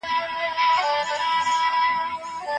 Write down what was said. دا کار بايد نن حتمي خلاص شي.